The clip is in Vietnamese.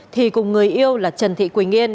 thì cùng người yêu là trần thị quỳnh yên